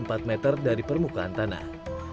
empat meter dari permukaan tanah